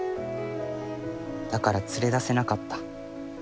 だから連れ出せなかった。